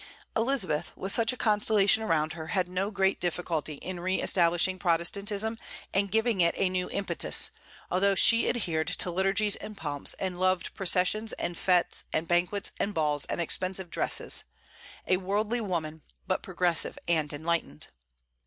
Elizabeth, with such a constellation around her, had no great difficulty in re establishing Protestantism and giving it a new impetus, although she adhered to liturgies and pomps, and loved processions and fêtes and banquets and balls and expensive dresses, a worldly woman, but progressive and enlightened.